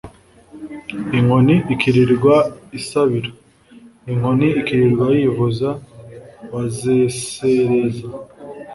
inkoni ikirirwa isabira: inkoni ikirirwa yivuza, bazesereza